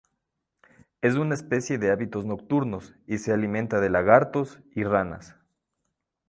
Es una especie de hábitos nocturnos y se alimenta de lagartos y ranas.